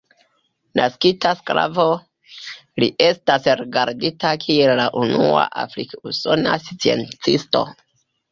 Naskita sklavo, li estas rigardita kiel la unua afrik-usona sciencisto.